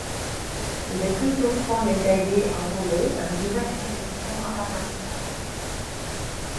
Il est plusieurs fois médaillé en relais dans diverses compétitions internationales.